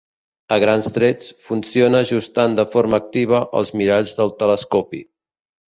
A grans trets, funciona ajustant de forma activa els miralls del telescopi.